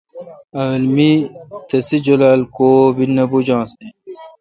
اول می تسے جولال کو بوجانس تے ۔